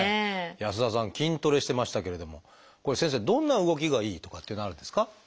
安田さん筋トレしてましたけれどもこれ先生どんな動きがいいとかっていうのはあるんですか？